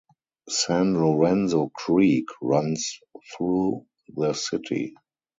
San Lorenzo Creek runs through the city.